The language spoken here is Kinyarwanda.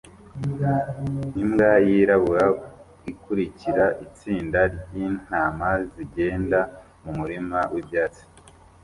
Imbwa yirabura ikurikira itsinda ryintama zigenda mumurima wibyatsi